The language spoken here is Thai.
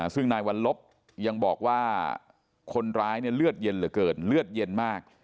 ซึ่งนายวัลลบยังบอกว่าคนร้ายเลือดเย็นเหลือเกินเลือดเย็นมาก